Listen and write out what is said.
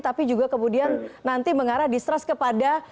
tapi juga kemudian nanti mengarah distrust kepada